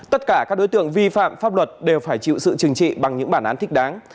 tất cả các đối tượng vi phạm pháp luật đều phải chịu sự chừng trị bằng những bản án thích đáng